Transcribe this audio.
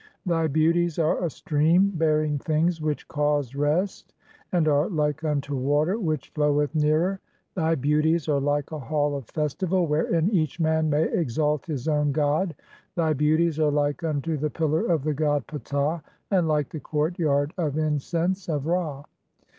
Thy beauties are a stream (6) "[bearing] things which cause rest and are like unto water which "floweth nearer (?); thy beauties are like a hall of festival wherein "each man may exalt his [own] god ; thy beauties are like unto "the pillar of the god Ptah (7) and like the courtyard of incense (?) "of Ra.